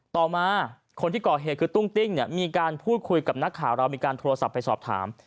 ต่อมาคนที่ก่อเหตุคือตุ้งติ้งเนี่ยมีการพูดคุยกับนักข่าวเรามีการโทรศัพท์ไปสอบถาม